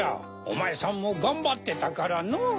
おまえさんもがんばってたからのう。